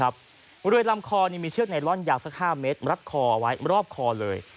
บริเวณลำคอมีเชือกไนลอนยาวสัก๕เมตรรัดคอเอาไว้รอบคอเลย